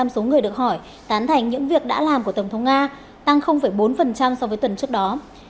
bảy mươi bảy năm số người được hỏi tán thành những việc đã làm của tổng thống nga tăng bốn so với tuần trước đó